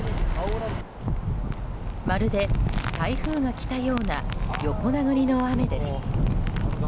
まるで台風が来たような横殴りの雨です。